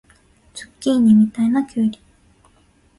ズッキーニみたいなきゅうり